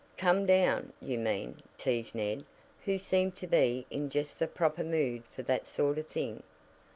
"Come down, you mean," teased Ned, who seemed to be in just the proper mood for that sort of thing.